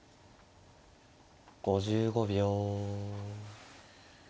５５秒。